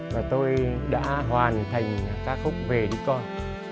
và tôi đã hoàn thành ca khúc về đi con